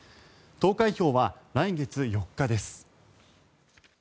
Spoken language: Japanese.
投開票は来月４日です。